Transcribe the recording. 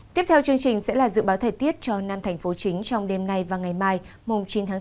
tiếp theo chương trình sẽ là dự báo thời tiết cho năm thành phố chính trong đêm nay và ngày mai chín tháng bốn